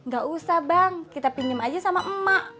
gak usah bang kita pinjam aja sama emak